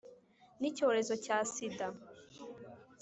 N icyorezo cya sida